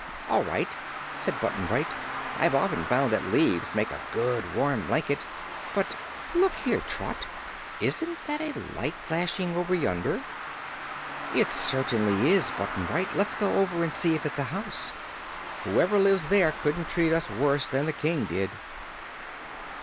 "All right," said Button Bright, "I've often found that leaves make a good warm blanket. But look there, Trot! isn't that a light flashing over yonder?" "It certainly is, Button Bright. Let's go over and see if it's a house. Whoever lives there couldn't treat us worse than the King did."